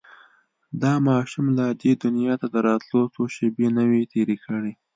دا ماشوم لا دې دنيا ته د راتلو څو شېبې نه وې تېرې کړې.